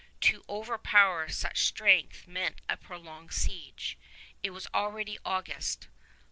To overpower such strength meant a prolonged siege. It was already August.